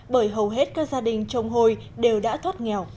bởi hầu hết các gia đình trồng hồi đều đã thoát nghèo